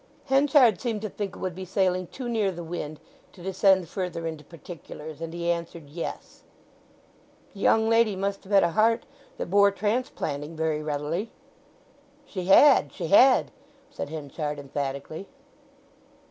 Henchard seemed to think it would be sailing too near the wind to descend further into particulars, and he answered "Yes." "The young lady must have had a heart that bore transplanting very readily!" "She had, she had," said Henchard emphatically.